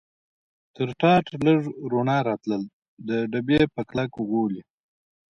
تر ټاټ لږ رڼا راتلل، د ډبې په کلک غولي.